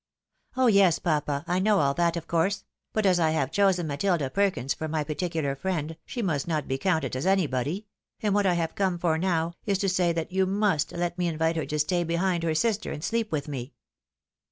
" Oh yes, papa, I know all that of course ; but as I have chosen Matilda Perkins for my particular friend, she must not be counted as anybody ; and what I have come for now, is to say that you must let me invite her to stay behind her sister, and sleep with me."